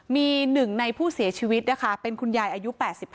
มี๑ในผู้เสียชีวิตนะคะเป็นคุณยายอายุ๘๕